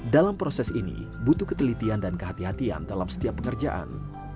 dalam proses ini butuh ketelitian dan kehatian dalam setiap pekerjaan